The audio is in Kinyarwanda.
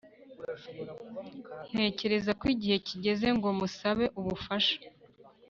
Ntekereza ko igihe kigeze ngo musabe ubufasha